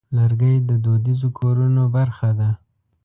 لرګی د دودیزو کورونو برخه ده.